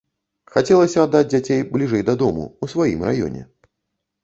Хацелася аддаць дзяцей бліжэй да дому, у сваім раёне.